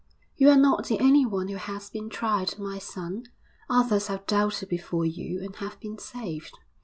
'You are not the only one who has been tried, my son. Others have doubted before you and have been saved.'